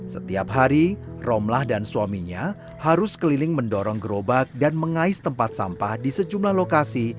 setiap hari romlah dan suaminya harus keliling mendorong gerobak dan mengais tempat sampah di sejumlah lokasi